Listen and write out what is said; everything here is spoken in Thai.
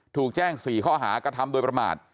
ถูกแจ้ง๔ข้อหากระทำโดยประมาท